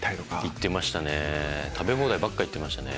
行ってましたね食べ放題ばっか行ってましたね。